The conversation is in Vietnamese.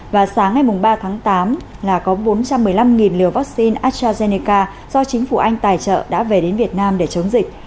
và sáng ngày ba tháng tám là có bốn trăm một mươi năm liều vaccine astrazeneca do chính phủ anh tài trợ đã về đến việt nam để chống dịch